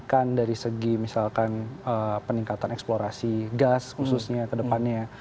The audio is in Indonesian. kebijakan dari segi misalkan peningkatan eksplorasi gas khususnya ke depannya